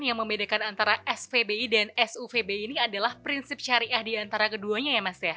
yang membedakan antara spbi dan suvbi ini adalah prinsip syariah diantara keduanya ya mas ya